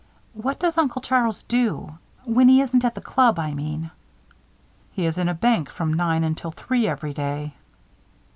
What does Uncle Charles do? When he isn't at the Club, I mean?" "He is in a bank from nine until three every day."